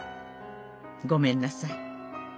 ごめんなさい！